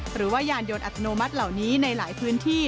หรือว่ายานยนต์อัตโนมัติเหล่านี้ในหลายพื้นที่